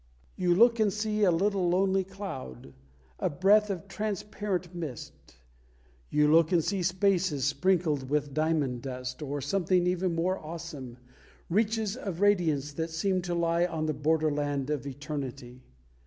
You look and see a little lonely cloud, a breath of transparent mist; you look and see spaces sprinkled with diamond dust, or something even more awesome, reaches of radiance that seem to lie on the borderland of Eternity.